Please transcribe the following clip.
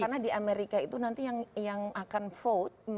karena di amerika itu nanti yang akan vote